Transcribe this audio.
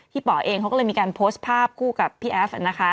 ป่อเองเขาก็เลยมีการโพสต์ภาพคู่กับพี่แอฟนะคะ